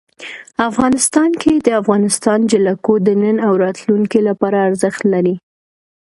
افغانستان کې د افغانستان جلکو د نن او راتلونکي لپاره ارزښت لري.